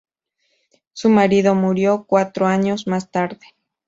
Su marido murió cuatro años más tarde.